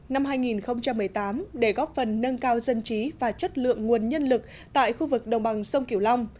năm hai nghìn một mươi tám để góp phần nâng cao dân trí và chất lượng nguồn nhân lực tại khu vực đồng bằng sông kiểu long